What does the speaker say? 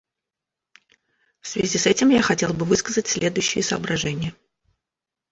В этой связи я хотел бы высказать следующие соображения.